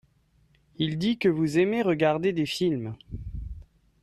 Il dit que vous aimez regardez des films.